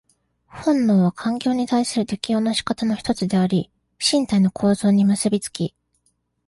本能は環境に対する適応の仕方の一つであり、身体の構造に結び付き、